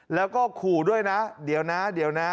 แล้วก็ขู่ด้วยนะเดี๋ยวนะเดี๋ยวนะ